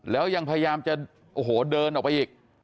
แล้วยังพยายามจะโอ้โหเดินออกไปอีก